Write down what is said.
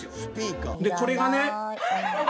でこれがね。